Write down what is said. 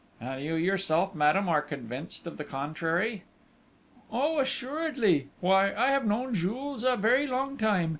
"And you, yourself, madame, are convinced of the contrary?" "Oh, assuredly! Why, I have known Jules a very long time!